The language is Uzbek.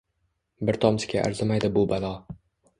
Bir tomchiga arzimaydi bu balo.